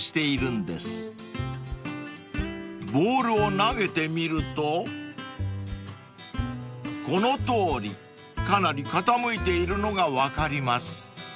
［ボールを投げてみるとこのとおりかなり傾いているのが分かります］